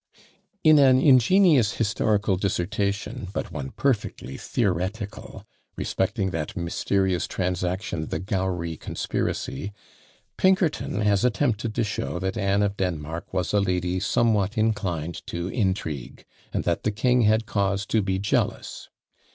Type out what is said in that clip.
In an ingenious historical dissertation, but one perfectly theoretical, respecting that mysterious transaction the Gowrie conspiracy, Pinkerton has attempted to show that Anne of Denmark was a lady somewhat inclined to intrigue, and that "the king had cause to be jealous."